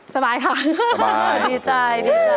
สบายค่ะสบายดีใจ